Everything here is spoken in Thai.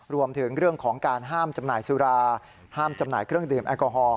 รวมถึงเรื่องของการห้ามจำหน่ายสุราห้ามจำหน่ายเครื่องดื่มแอลกอฮอล